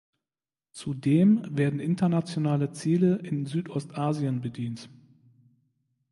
Zudem werden internationale Ziele in Südostasien bedient.